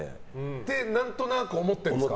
って何となく思ってるんですか